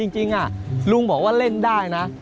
จริงลุงบอกว่าเล่นได้นะ